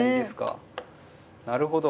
なるほど。